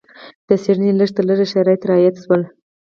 د څېړنې لږ تر لږه شرایط رعایت شول.